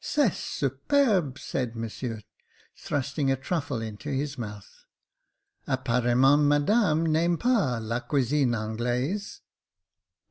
" C'est superbe !" said Monsieur, thrusting a truffle into his mouth. " Apparemment, Madame n'aime pas la cuisine Anglaise